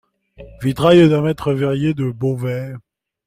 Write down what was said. Vitrail d'un maitre verrier de Beauvais.